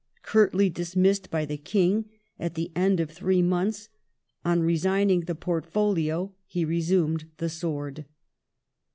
Curtly dismissed by the King, at the end of three months, on resigning the portfolio he resumed the sword.